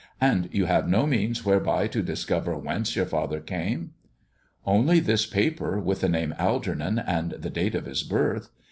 And you have no means whereby to discover whence your father came?" " Only this paper with the name Algernon and the date of his birth.